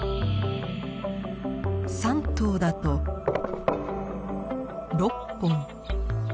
３頭だと６本。